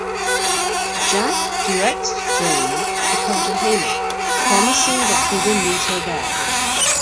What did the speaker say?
Jack directs Joan to Cartagena, promising that he will meet her there.